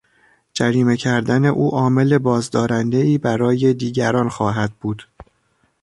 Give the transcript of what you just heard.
جریمه کردن او عامل بازدارندهای برای دیگران خواهد بود.